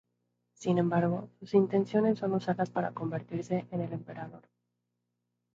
Sin embargo, sus intenciones son usarlas para convertirse en el emperador.